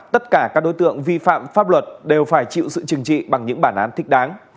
tất cả các đối tượng vi phạm pháp luật đều phải chịu sự chừng trị bằng những bản án thích đáng